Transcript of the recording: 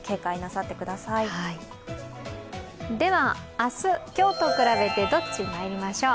あす、きょうと比べてどっち、まいりましょう。